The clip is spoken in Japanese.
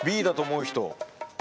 Ｂだと思う人。